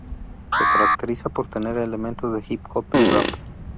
Se caracteriza por tener elementos de hip-hop y rap.